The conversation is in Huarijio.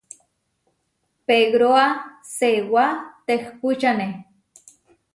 Pegroá seewá tehpúčane.